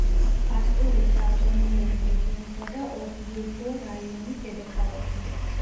ასტურიის ავტონომიური რეგიონისა და ოვიედო რაიონის დედაქალაქი.